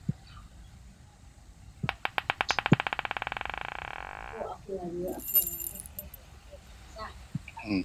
Mchakato -mpango wa vitendo vinavyofuatana kwa minajili ya kutimiza lengo fulani